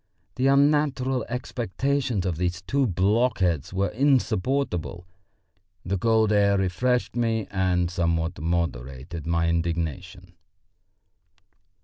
The unnatural expectations of these two block heads were insupportable. The cold air refreshed me and somewhat moderated my indignation.